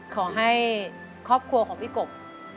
ขอให้ครอบครัวของพี่กบ